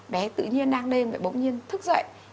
bé tự nhiên đang đêm bỗng nhiên thức dậy